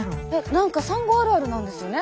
何か産後あるあるなんですよね。